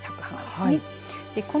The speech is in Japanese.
朝に咲く花ですね。